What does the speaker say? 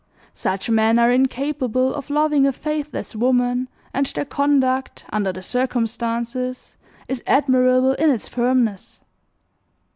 Such men are incapable of loving a faithless woman and their conduct, under the circumstances, is admirable in its firmness.